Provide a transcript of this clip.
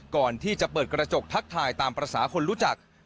ก่อนที่จะเปิดกระจกทักทายตามภาษาคนรู้จัก